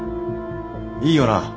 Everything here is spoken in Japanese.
いいよな？